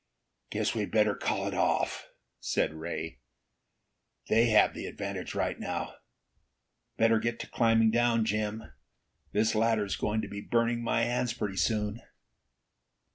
"Guess we'd better call it off," said Ray. "They have the advantage right now. Better get to climbing down, Jim. This ladder is going to be burning my hands pretty soon."